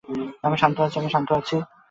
আমি শান্ত আছি, আমি শান্ত আছি।